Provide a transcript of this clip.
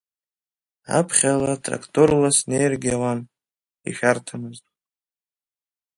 Аԥхьала тракторла снеиргьы ауан, ишәарҭамызт.